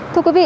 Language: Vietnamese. thưa quý vị